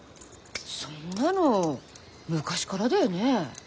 そんなの昔からだよね？